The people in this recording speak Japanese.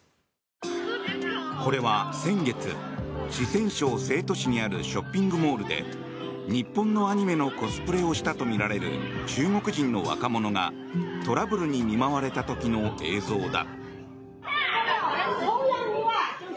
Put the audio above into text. これは先月四川省成都市にあるショッピングモールで日本のアニメのコスプレをしたとみられる中国人の若者がトラブルに見舞われた時の映像だ。